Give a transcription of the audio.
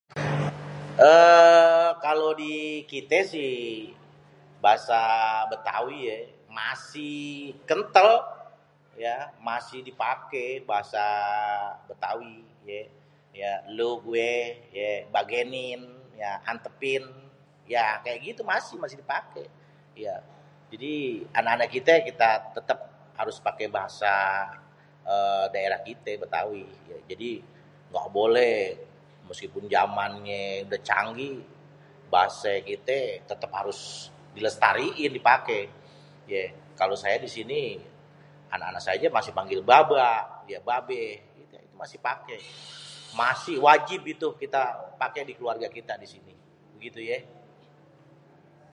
eee Kalo dikité si, bahasa Bétawi yé masih kentel ya masih dipake bahasa Bétawi yé, yé elu, gue ye bagenin, ye antepin, ya kaya gitu masih, masih dipake ya jadi anak-anak kite tetep harus pake bahasa eee daerah kite Bétawi ya. Jadi ga boleh meskipun jamannye udeh canggih, bahasa kite tetep harus di lestariin dipake yé. Kalo saya di sini anak-anak saya aje masih manggil baba ye babéh, masih pake, masih wajib itu kita pake di keluarga kita disini begitu yé.